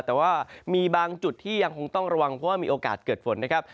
แต่ว่ามีบางจุดที่ยังคงต้องระวังเพราะว่ามีโอกาสเกิดฝนนะครับ